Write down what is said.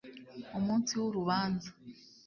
Umunsi w urubanza